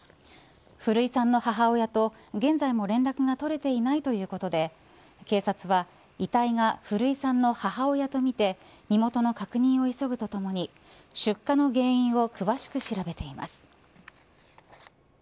古居さんの母親と現在も連絡が取れていないということで警察は遺体が古居さんの母親とみて妹の確認を急ぐとともに出火の原因を詳しく調べています。